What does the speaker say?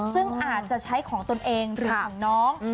ซึ่งอาจจะใช้ของตนเองหรือของน้อง